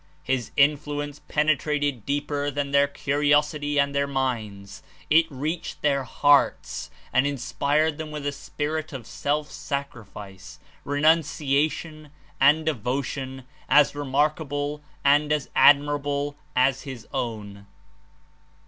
"His influence penetrated deeper than their curiosity and their minds; it reached their hearts and inspired them with a spirit of self sacrifice, renunciation and devotion as remark able and as admirable as his own."